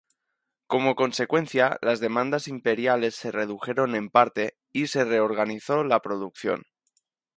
Como consecuencia, las demandas imperiales se redujeron en parte, y se reorganizó la producción.